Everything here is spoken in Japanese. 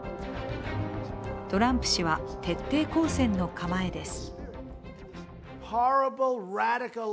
トランプ氏は徹底抗戦の構えです。